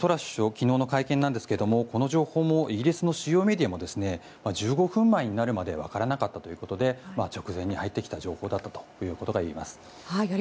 昨日の会見なんですがこの情報もイギリスの主要メディアも１５分前になるまでわからなかったということで直前に入ってきた情報だったと言えます。